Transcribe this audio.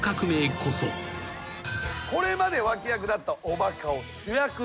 これまで脇役だったおバカを主役に押し上げた。